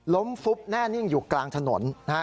ฟุบแน่นิ่งอยู่กลางถนนนะฮะ